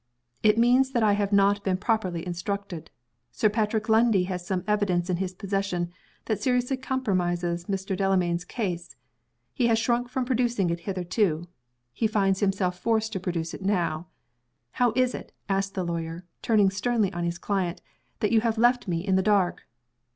"It means that I have not been properly instructed. Sir Patrick Lundie has some evidence in his possession that seriously compromises Mr. Delamayn's case. He has shrunk from producing it hitherto he finds himself forced to produce it now. How is it," asked the lawyer, turning sternly on his client, "that you have left me in the dark?"